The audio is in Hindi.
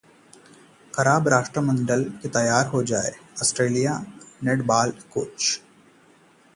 ‘खराब’ राष्ट्रमंडल के तैयार हो जाएं: आस्ट्रेलियाई नेटबाल कोच